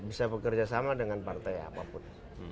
bisa bekerja sama dengan partai apapun